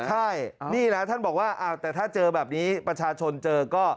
ใช่นี่นะท่านบอกว่าแต่ถ้าเจอแบบนี้ประชาชนเจอก็